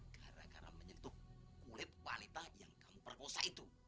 gara gara menyentuh kulit wanita yang kamu perkosa itu